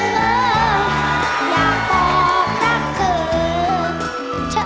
อยากบอกรักเธอเช่า